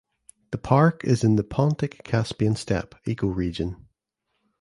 The park is in the "Pontic–Caspian steppe" ecoregion.